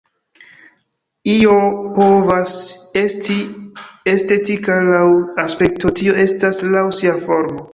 Io povas esti estetika laŭ aspekto, tio estas laŭ sia formo.